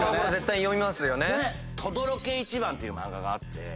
『とどろけ！一番』っていう漫画があって。